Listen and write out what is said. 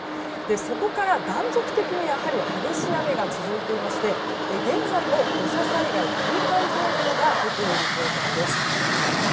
そこから断続的に激しい雨が続いていまして現在も、土砂災害警戒情報が出ている状態です。